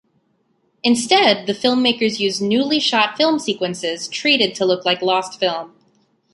Instead, the filmmakers used newly shot film sequences treated to look like lost film.